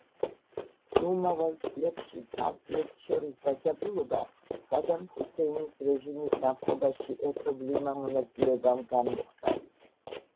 მომავალ წლებში პარტიებს შორის დაძაბულობა სადამ ჰუსეინის რეჟიმის დამხობაში ერთობლივმა მონაწილეობამ განმუხტა.